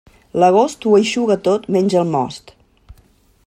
L'agost ho eixuga tot, menys el most.